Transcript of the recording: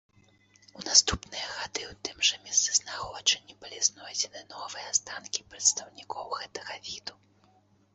У наступныя гады ў тым жа месцазнаходжанні былі знойдзены новыя астанкі прадстаўнікоў гэтага віду.